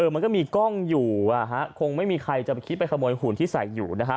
มันก็มีกล้องอยู่คงไม่มีใครจะคิดไปขโมยหุ่นที่ใส่อยู่นะฮะ